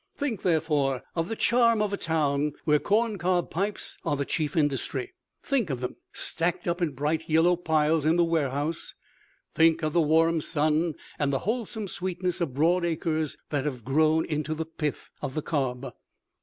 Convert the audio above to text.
Think, therefore, of the charm of a town where corncob pipes are the chief industry. Think of them stacked up in bright yellow piles in the warehouse. Think of the warm sun and the wholesome sweetness of broad acres that have grown into the pith of the cob.